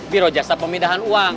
biro jasa pemindahan uang